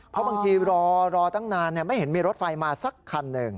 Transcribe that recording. เพราะบางทีรอตั้งนานไม่เห็นมีรถไฟมาสักคันหนึ่ง